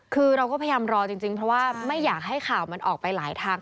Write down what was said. คือเราก็พยายามรอจริงเพราะว่าไม่อยากให้ข่าวมันออกไปหลายทาง